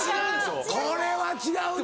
これは違うね。